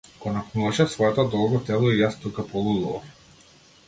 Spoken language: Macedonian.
Го напнуваше своето долго тело и јас тука полудував.